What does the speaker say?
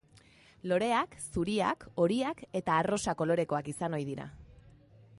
Loreak zuriak, horiak eta arrosa kolorekoak izan ohi dira.